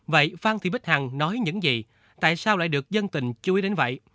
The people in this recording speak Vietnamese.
vậy phan thị bích hằng nói những gì tại sao lại được dân tình chú ý đến vậy